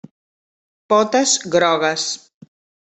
Potes grogues.